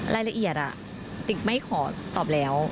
รายละเอียดติ๊กไม่ขอตอบแล้ว